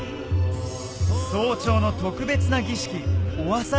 早朝の特別な儀式